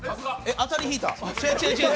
当たり引いた！